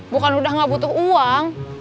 bukan udah nggak butuh uang